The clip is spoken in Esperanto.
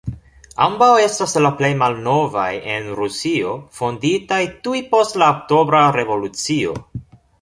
Ambaŭ estas la plej malnovaj en Rusio, fonditaj tuj post la Oktobra revolucio.